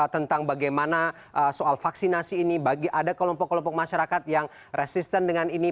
tentang bagaimana soal vaksinasi ini bagi ada kelompok kelompok masyarakat yang resisten dengan ini